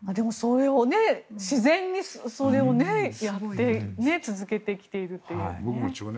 自然にそれをやって続けてきているというね。